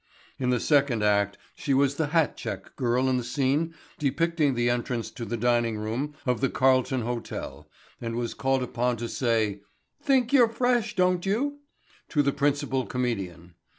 In the second act she was the hat check girl in the scene depicting the entrance to the dining room of the Carlton Hotel and was called upon to say "think you're fresh, don't you?" to the principal comedian.